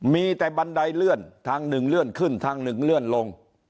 มีแต่บันไดเลื่อนทางหนึ่งเลื่อนขึ้นทางหนึ่งเลื่อนลง